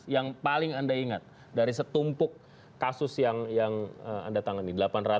yang paling anda ingat dari setumpuk kasus yang anda tangani